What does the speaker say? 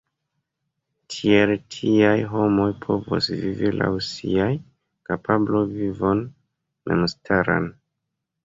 Tiel tiaj homoj povos vivi laŭ siaj kapabloj vivon memstaran.